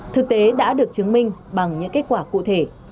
thực tế đã được chứng minh bằng những kết quả cụ thể